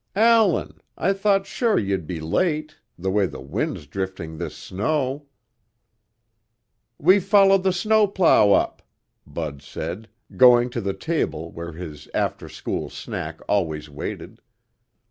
"Allan! I thought sure you'd be late, the way the wind's drifting this snow." "We followed the snowplow up," Bud said, going to the table where his after school snack always waited.